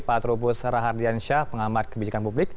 pak trubus rahardiansyah pengamat kebijakan publik